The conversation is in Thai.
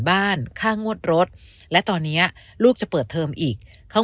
บ้านค่างวดรถและตอนนี้ลูกจะเปิดเทอมอีกเขา